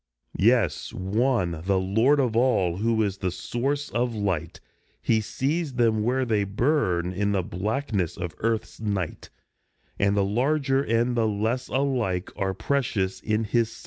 Yes, one, the Lord of all, who is the source of Light ; He sees them where they burn in the blackness of Earth's night, And the larger and the less alike are precious in his sight.